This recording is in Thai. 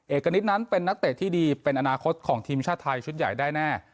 เอกณิตนั้นเป็นนักเตะที่ดีเป็นอนาคตของทีมชาติไทยชุดใหญ่ได้แน่